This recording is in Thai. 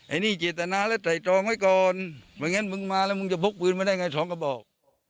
อันนี้เจตนาแล้วไต่ตรองไว้ก่อนไม่งั้นมึงมาแล้วมึงจะพกปืนมาได้ไงสองกระบอก